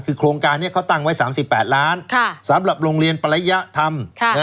คือโครงการนี้เขาตั้งไว้๓๘ล้านสำหรับโรงเรียนปริยธรรม